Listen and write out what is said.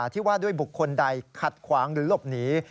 ที่ว่าด้วยบุคคลใดขัดขวางหรือหลบหนี